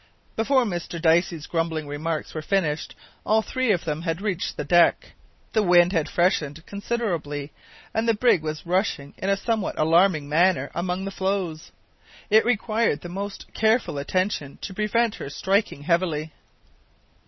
Before Mr Dicey's grumbling remarks were finished all three of them had reached the deck. The wind had freshened considerably, and the brig was rushing in a somewhat alarming manner among the floes. It required the most careful attention to prevent her striking heavily.